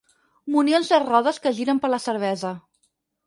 Munions de rodes que giren per la cervesa.